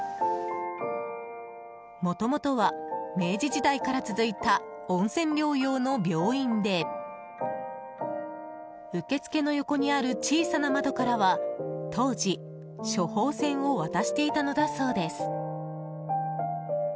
もともとは明治時代から続いた温泉療養の病院で受付の横にある小さな窓からは当時、処方せんを渡していたのだそうです。